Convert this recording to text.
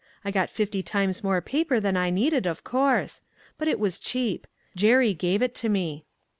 I got fifty times more paper than I needed, of course. But it was cheap; Jerry gave it to me.